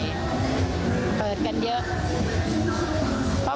เกิดเปิดกันเยอะ